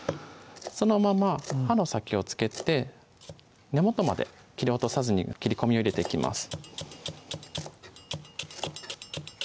そのまま刃の先をつけて根元まで切り落とさずに切り込みを入れていきます